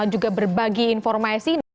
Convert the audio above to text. juga berbagi informasi